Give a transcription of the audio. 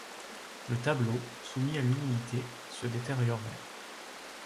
Le tableau, soumis à l'humidité, se détériorait.